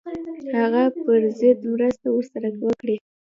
هغه پر ضد مرسته ورسره وکړي.